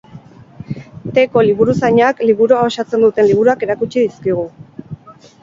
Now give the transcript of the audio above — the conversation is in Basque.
T-ko liburuzainak liburua osatzen duten liburuak erakutsi dizkigu.